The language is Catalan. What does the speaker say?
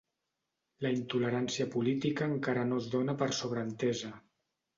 La intolerància política encara no es dóna per sobreentesa